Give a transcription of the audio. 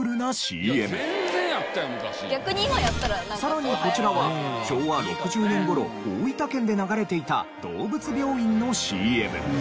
さらにこちらは昭和６０年頃大分県で流れていた動物病院のＣＭ。